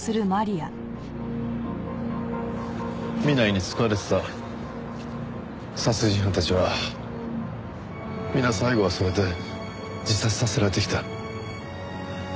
南井に使われてた殺人犯たちは皆最後はそれで自殺させられてきた。